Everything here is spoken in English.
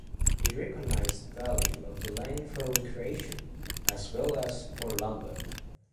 He recognized the value of the land for recreation, as well as for lumber.